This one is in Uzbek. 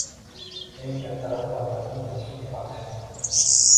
Eng katta rahbarlarning kelishiga bag‘ishlangan.